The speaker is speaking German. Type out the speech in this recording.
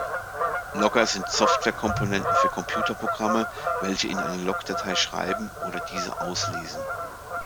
Logger sind Softwarekomponenten für Computerprogramme, welche in eine Logdatei schreiben oder diese auslesen.